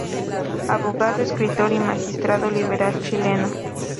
Abogado, escritor y magistrado liberal chileno.